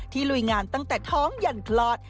ลุยงานตั้งแต่ท้องยันคลอด